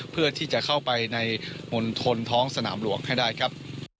เพื่อที่จะเวลาไปในท้องสนามหลวงได้ครับ